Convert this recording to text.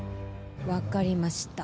分かりました。